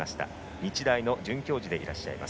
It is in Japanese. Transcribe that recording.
日大の准教授でいらっしゃいます。